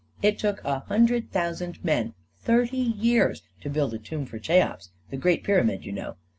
It took a hundred thou sand men thirty years to build a tomb for Cheops — the great pyramid, you know.